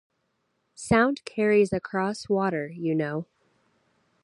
Sound carries across water, you know.